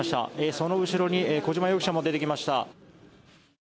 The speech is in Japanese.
その後ろに小島容疑者も出てきました。